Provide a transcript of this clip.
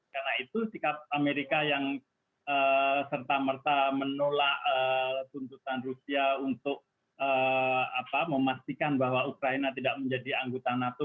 karena itu sikap amerika yang serta merta menolak tuntutan rusia untuk memastikan bahwa ukraina tidak menjadi anggota nato